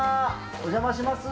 お邪魔します。